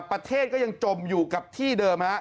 ประเทศก็ยังจมอยู่กับที่เดิมฮะ